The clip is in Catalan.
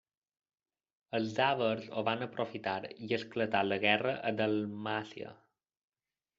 Els àvars ho van aprofitar i esclatà la guerra a Dalmàcia.